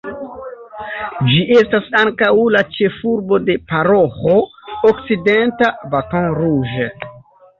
Ĝi estas ankaŭ la ĉefurbo de Paroĥo Okcidenta Baton Rouge.